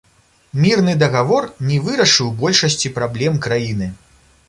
Мірны дагавор не вырашыў большасці праблем краіны.